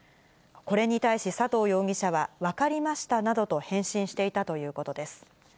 これに対し佐藤容疑者は、分かりましたなどと返信していたということです。